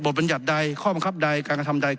บัญญัติใดข้อบังคับใดการกระทำใด